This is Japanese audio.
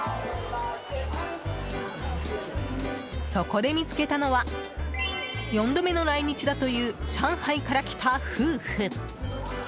そこで見つけたのは４度目の来日だという上海から来た夫婦。